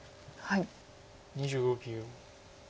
２５秒。